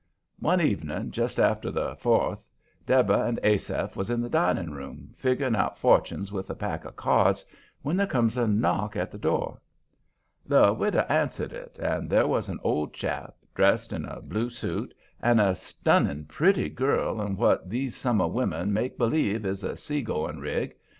One evening, just after the Fourth, Deborah and Asaph was in the dining room, figgering out fortunes with a pack of cards, when there comes a knock at the door. The widow answered it, and there was an old chap, dressed in a blue suit, and a stunning pretty girl in what these summer women make believe is a sea going rig.